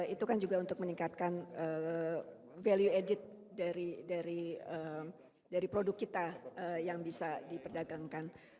itu kan juga untuk meningkatkan value added dari produk kita yang bisa diperdagangkan